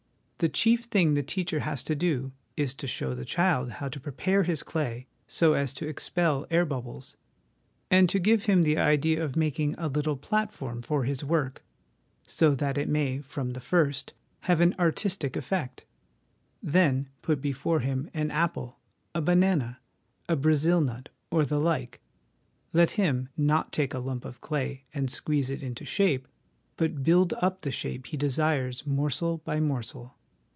The chief thing the teacher has to do is to show the child how to prepare his clay so as to expel air bubbles, and to give him the idea of making a little platform for his work, so that it may from the first have an artistic effect. Then put before him an apple, a banana, a Brazil nut, or the like ; let him, not take a lump of clay and squeeze it into shape, but build up the shape he desires morsel by morsel.